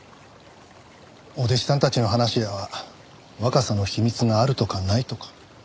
お弟子さんたちの話では若さの秘密があるとかないとか。